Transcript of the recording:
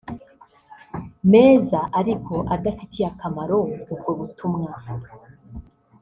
meza ariko adafitiye akamaro ubwo butumwa